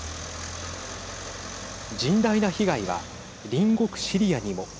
甚大な被害は隣国シリアにも。